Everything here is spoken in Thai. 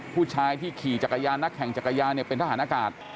ผู้ชายที่ขี่จักรยานนักแข่งจักรยานเนี่ยเป็นทหารอากาศ